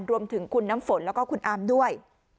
รวมถึงคุณน้ำฝนแล้วก็คุณอามด้วย